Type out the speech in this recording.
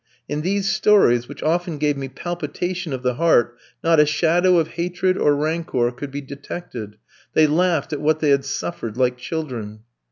In these stories, which often gave me palpitation of the heart, not a shadow of hatred or rancour could be detected; they laughed at what they had suffered like children.